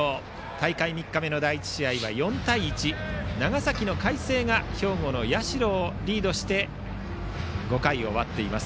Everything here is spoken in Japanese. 大会３日目の第１試合は４対１と長崎の海星が兵庫の社をリードして５回を終わっています。